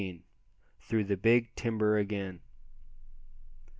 THROUGH THE BIG TIMBER AGAIN.